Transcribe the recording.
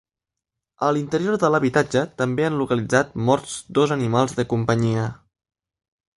A l’interior de l’habitatge també han localitzat morts dos animals de companyia.